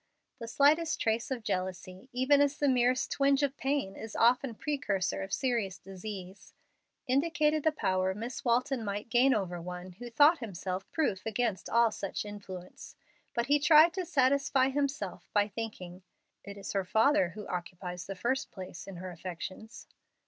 The slightest trace of jealousy, even as the merest twinge of pain is often precursor of serious disease, indicated the power Miss Walton might gain over one who thought himself proof against all such influence. But he tried to satisfy himself by thinking, "It is her father who occupies the first place in her affections."